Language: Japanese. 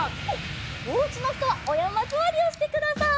おうちのひとはおやまずわりをしてください。